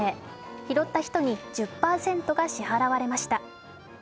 拾った人に１０％が支払われました。